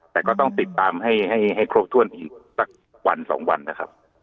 แต่ก็ต้องติดตามให้ครบถ้วนอีกสักวันสองวันนะครับ